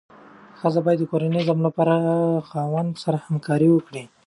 ښځه باید د کورني نظم لپاره د خاوند سره همکاري وکړي.